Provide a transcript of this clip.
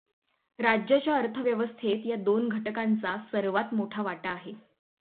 राज्याच्या अर्थव्यवस्थेत या दोन घटकांचा सर्वांत मोठा वाटा आहे.